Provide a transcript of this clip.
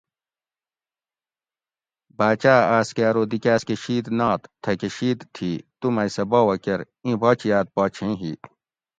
باچا آس کہ ارو دی کاۤس کہ شید نات تھکہ شید تھی تو مئ سہ باوہ کۤر ایں باچیاۤت پا چھیں ھی